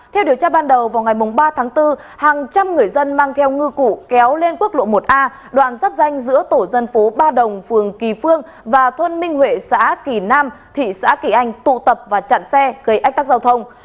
theo điều tra ban đầu vào ngày ba tháng bốn hàng trăm người dân mang theo ngư cụ kéo lên quốc lộ một a đoạn dắp danh giữa tổ dân phố ba đồng phường kỳ phương và thôn minh huệ xã kỳ nam thị xã kỳ anh tụ tập và chặn xe gây ách tắc giao thông